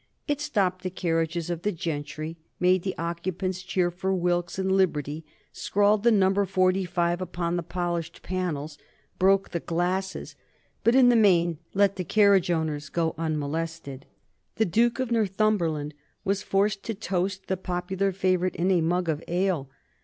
It stopped the carriages of the gentry, made the occupants cheer for Wilkes and Liberty, scrawled the number Forty five upon the polished panels, broke the glasses, but in the main let the carriage owners go unmolested. The Duke of Northumberland was forced to toast the popular favorite in a mug of ale.